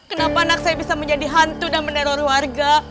kenapa anak saya bisa menjadi hantu dan meneror warga